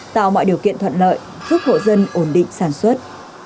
tạo mọi điều kiện thuận lợi giúp hộ dân ổn định sản xuất